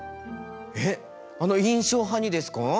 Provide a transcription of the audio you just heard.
えっあの印象派にですか？